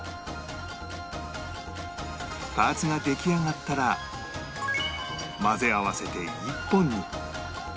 パーツが出来上がったら混ぜ合わせて１本に